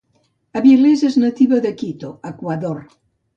Avilés és nativa de Quito, Equador.